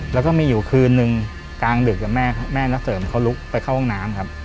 แล้วก็มีอยู่คืนนึงกลางดึกแม่นักเสริมเขาลุกไปเข้าห้องน้ำครับ